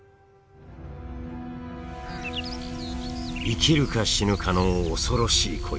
生きるか死ぬかの恐ろしい恋。